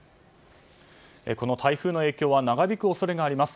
この台風の影響は長引く恐れがあります。